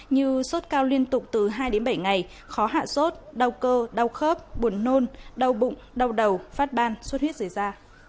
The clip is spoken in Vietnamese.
như xuất cao liên tục từ hai đến bảy ngày khó hạ xuất đau cơ đau khớp buồn nôn đau bụng đau đầu phát ban xuất huyết rời ra